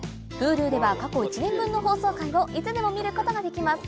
Ｈｕｌｕでは過去１年分の放送回をいつでも見ることができます